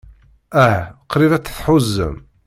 Ah, qrib ay tt-tḥuzam.